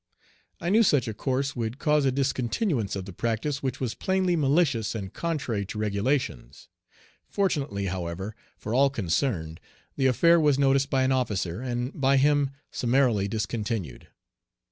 I knew such a course would cause a discontinuance of the practice, which was plainly malicious and contrary to regulations. Fortunately, however, for all concerned, the affair was noticed by an officer, and by him summarily discontinued.